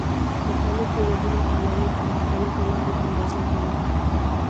مختلف هېوادونه عواید په مختلفو لارو اندازه کوي